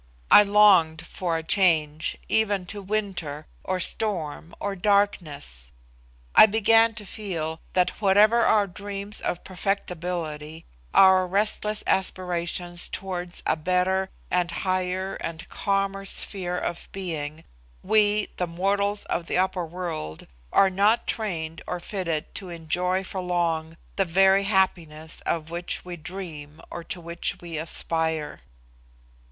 I longed for a change, even to winter, or storm, or darkness. I began to feel that, whatever our dreams of perfectibility, our restless aspirations towards a better, and higher, and calmer, sphere of being, we, the mortals of the upper world, are not trained or fitted to enjoy for long the very happiness of which we dream or to which we aspire.